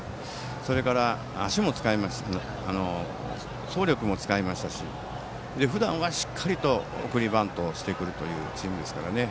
それから、走力も使いましたしふだんは、しっかりと送りバントもしてくるというチームですからね。